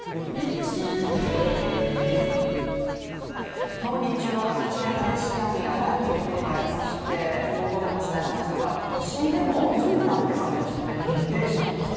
え．．．今日日中は各地で激しい雨や雷雨のところがありまして冒頭でもお伝えしましたが都心でも夜になってからね、ありましたね。